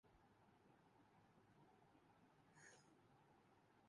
قومی cricket team کے rounder Faheem Ashraf team England کو شکست دینے کے لیئے پر عزم